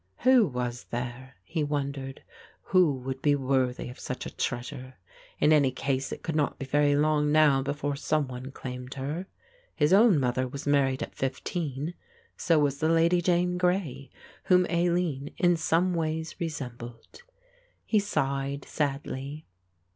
"Who was there," he wondered, "who would be worthy of such a treasure? In any case it could not be very long now before some one claimed her. His own mother was married at fifteen, so was the Lady Jane Grey, whom Aline in some ways resembled." He sighed sadly.